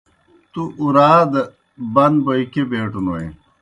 تُوْ اُراد بن بوئے کیْہ بیٹونوئے؟